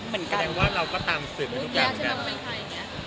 เหมือนกันนะว่าเราก็ตามสินทุกอย่างเหมือนกัน